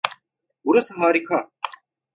Burası harika!